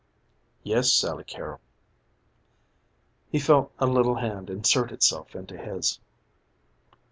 "Yes, Sally Carrol." He felt a little hand insert itself into his.